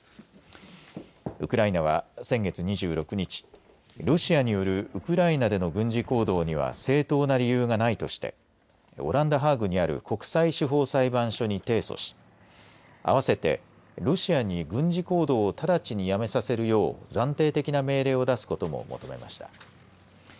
ウクライナは先月２６日ロシアによるウクライナでの軍事行動には正当な理由がないとしてオランダ、ハーグにある国際司法裁判所に提訴し合わせてロシアに軍事行動を直ちにやめさせるよう暫定的な命令を出すことも求めました。